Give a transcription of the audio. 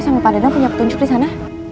sama pak renang punya petunjuk di sana